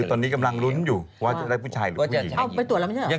ตอนนี้กำลังรุ้นอยู่ว่าจะได้ผู้ชายหรือผู้หญิง